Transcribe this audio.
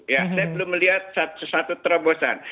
ya saya belum melihat sesuatu terobosan